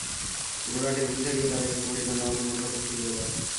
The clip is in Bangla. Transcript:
গোরা টেবিল ছাড়িয়া দাঁড়াইয়া কহিল, নাও, তোমার কথা ফিরিয়ে দাও।